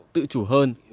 tự chủ hơn